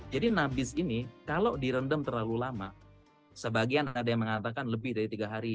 jadi nabis ini kalau direndam terlalu lama sebagian ada yang mengatakan lebih dari tiga hari